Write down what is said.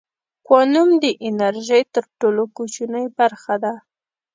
کوانوم د انرژۍ تر ټولو کوچنۍ برخه ده.